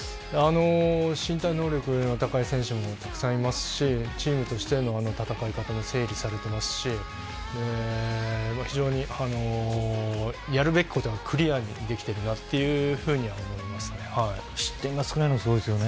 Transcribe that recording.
身体能力の高い選手もたくさんいますしチームとしての戦い方も整備されていますし非常に、やるべきことがクリアにできているな失点が少ないのはすごいですよね。